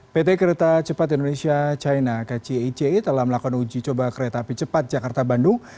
pt kereta cepat indonesia china kcic telah melakukan uji coba kereta api cepat jakarta bandung